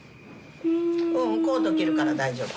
ううんコート着るから大丈夫。